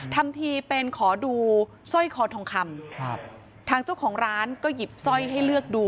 ทำทีเป็นขอดูสร้อยคอทองคำครับทางเจ้าของร้านก็หยิบสร้อยให้เลือกดู